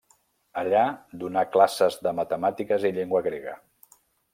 Allà donà classes de matemàtiques i llengua grega.